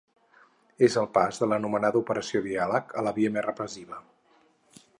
És el pas de l’anomenada ‘operació diàleg’ a la via més repressiva.